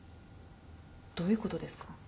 どういうことですか？